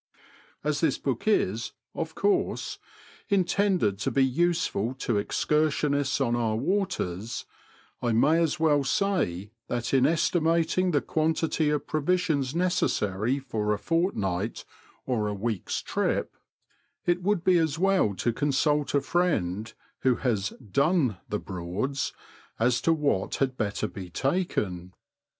As this book is, of course, intended to be useful to excursionists on our waters, I may as well say that in esti mating the quantity of provisions necessary for a fortnight or a week*s trip, it would be as well to consult a friend who has G 2 y Google '^^ 84 BBOADS AND BIYEBS OF NOBFOLK AND SUFFOLK. '< done " the Broads, as to what had better be taken.